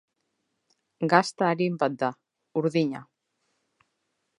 Gazta arin bat da, urdina.